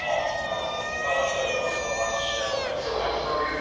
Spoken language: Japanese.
「他の人にはその話しないほうがいいんじゃない」って言ったやつ。